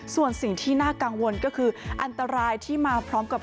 ส่วนสิ่งที่น่ากังวลก็คืออันตรายที่มาพร้อมกับ